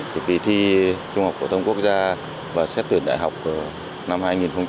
thì kỳ thi trung học phổ thống quốc gia và xét tuyển đại học năm hai nghìn một mươi bảy